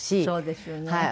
そうですよね。